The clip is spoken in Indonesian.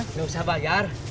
nggak usah bayar